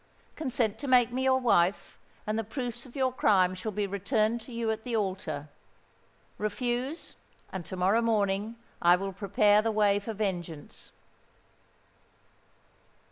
Consent to make me your wife, and the proofs of your crime shall be returned to you at the altar: refuse, and to morrow morning I will prepare the way for vengeance."